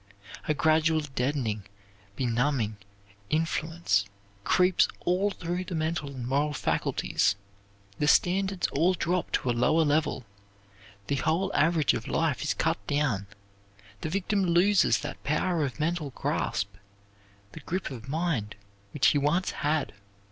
A gradual deadening, benumbing influence creeps all through the mental and moral faculties; the standards all drop to a lower level; the whole average of life is cut down, the victim loses that power of mental grasp, the grip of mind which he once had.